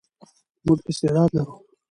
موږ استعداد لرو.